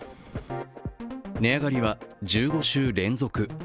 値上がりは１５週連続。